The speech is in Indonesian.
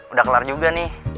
udah kelar juga nih